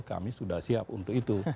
kami sudah siap untuk itu